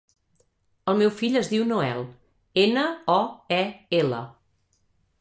El meu fill es diu Noel: ena, o, e, ela.